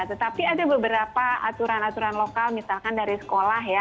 tetapi ada beberapa aturan aturan lokal misalkan dari sekolah ya